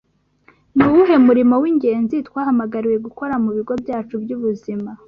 Ni uwuhe murimo w’ingenzi twahamagariwe gukora mu bigo byacu by’ubuzima?